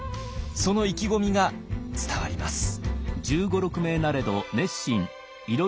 その意気込みが伝わります。